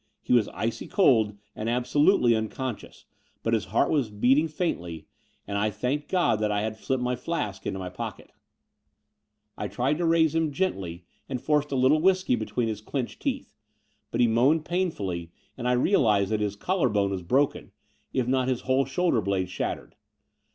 He was icy cold and absolutely unconscious, but his heart was beating faintly; and I thanked God that I had slipped my flask into my pocket. I tried to raise 6o The Door of the Unreal him gently and forced a little whisky between his clenched teeth; but he moaned painfully, and I realized that his collar bone was broken, if not his whole shoulder blade shattered.